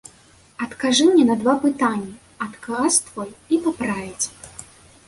Адкажы мне на два пытанні, адказ твой і паправіць.